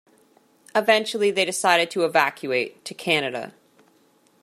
Eventually they decided to evacuate to Canada.